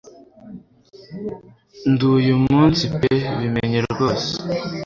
Ndi uyu munsi pe bimenye rwose